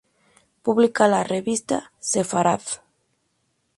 Publica la revista "Sefarad".